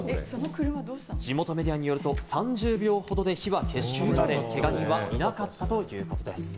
地元メディアによると、３０秒ほどで火は消し止められ、けが人はいなかったということです。